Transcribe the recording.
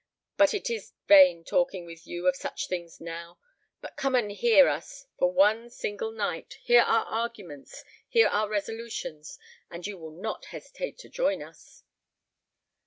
But it is vain talking with you of such things now; but come and hear us for one single night hear our arguments, hear our resolutions, and you will not hesitate to join us."